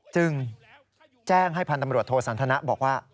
จึงแจ้งให้พันธ์ตำรวจโทสันทนะบอกว่า